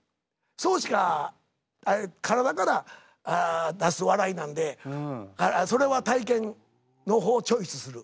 そうしか体から出す笑いなんでそれは体験の方をチョイスする。